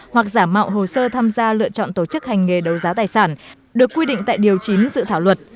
hoặc giả mạo hồ sơ tham gia lựa chọn tổ chức hành nghề đấu giá tài sản được quy định tại điều chín dự thảo luật